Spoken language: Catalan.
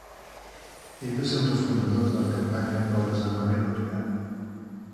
Ell va ser un dels fundadors de la Campanya per al Desarmament Nuclear.